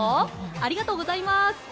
ありがとうございます。